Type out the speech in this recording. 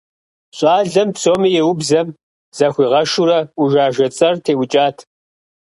ЩӀалэм псоми еубзэм, захуигъэшурэ, «ӏужажэ» цӀэр теӀукӀат.